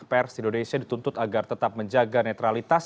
pers indonesia dituntut agar tetap menjaga netralitas